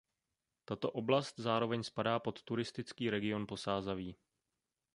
Tato oblast zároveň spadá pod turistický region Posázaví.